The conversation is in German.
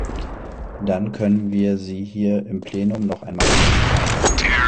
Dann können wir sie hier im Plenum noch einmal diskutieren.